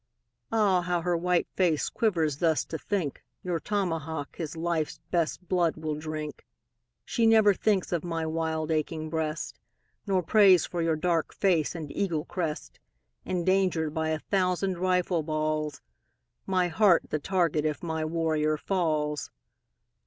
Ah, how her white face quivers thus to think, Your tomahawk his life's best blood will drink. She never thinks of my wild aching breast, Nor prays for your dark face and eagle crest Endangered by a thousand rifle balls, My heart the target if my warrior falls.